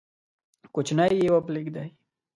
کوچنی یې وبلېږدی،